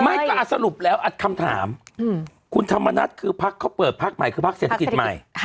ไม่ก็อัดสรุปแล้วอัดคำถามคุณธรรมนัทคือภักดิ์เขาเปิดภักดิ์ใหม่คือภักดิ์เศรษฐกิจใหม่